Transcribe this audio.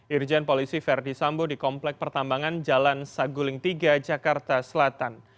irjen polisi verdi sambo di komplek pertambangan jalan saguling tiga jakarta selatan